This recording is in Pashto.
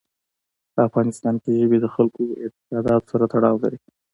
په افغانستان کې ژبې د خلکو اعتقاداتو سره تړاو لري.